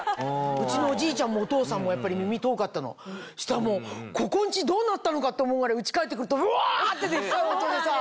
うちのおじいちゃんもお父さんもやっぱり耳遠かったのそしたらもうここん家どうなったのかと思うぐらいうち帰ってくるとうわってデッカい音がさぁ。